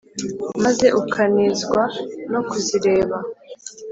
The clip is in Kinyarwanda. maze ukanezwa no kuzireba.